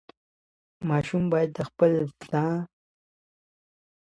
ماشوم باید د خپل ځای پر اهمیت پوه شي.